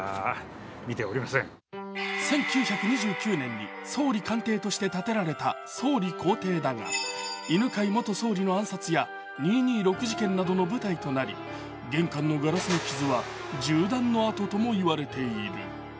１９２９年に総理官邸として建てられた総理公邸だが犬飼元総理の暗殺や２・２６事件などの舞台となり、玄関のガラスの傷は銃弾の痕といわれている。